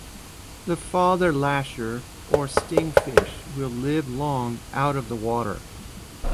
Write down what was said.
The father-lasher, or sting-fish, will live long out of the water.